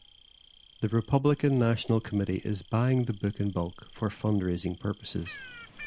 The Republican National Committee is buying the book in bulk for fundraising purposes.